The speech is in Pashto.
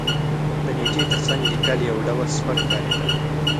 د نېټې تر څنګ لېکل یو ډول سپک ښکارېدل.